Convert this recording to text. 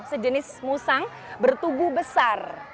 sejenis musang bertubuh besar